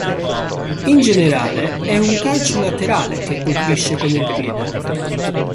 In generale è un calcio laterale che colpisce con il piede.